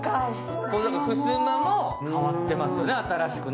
ふすまも新しく変わってますよね。